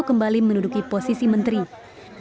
kembali menjadi menteri sdm